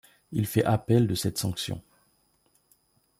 Il fait appel de cette sanction.